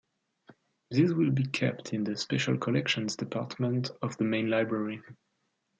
These will be kept in the Special Collections department of the main library.